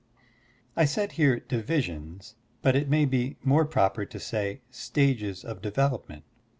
I said here "divisions," but it may be more proper to say "stages of development."